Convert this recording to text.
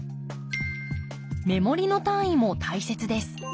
目盛りの単位も大切です。